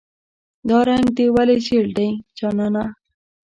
"دا رنګ دې ولې زیړ دی جانانه".